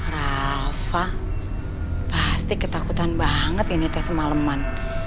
rafa pasti ketakutan banget ini tes semaleman